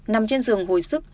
nằm trên giường hồi sức